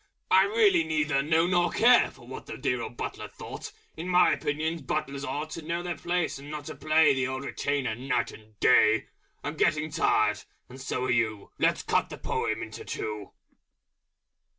I really neither know nor care For what the Dear Old Butler thought! In my opinion, Butlers ought To know their place, and not to play The Old Retainer night and day I'm getting tired and so are you, Let's cut the Poem into two!